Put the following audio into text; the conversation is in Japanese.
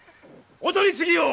お取り次ぎを！